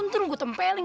ntar gua tempeling